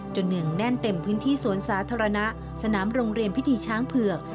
เนื่องแน่นเต็มพื้นที่สวนสาธารณะสนามโรงเรียนพิธีช้างเผือก